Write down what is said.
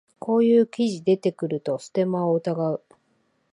こういう記事出てくるとステマを疑う